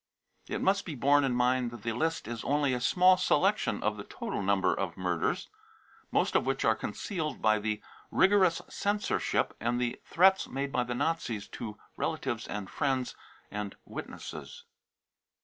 It must be borne in mind that the list is only a small selection of the total number of murders, most of which are concealed by the rigorous censorship and the threats made by the Nazis to relatives and friends and witnesses.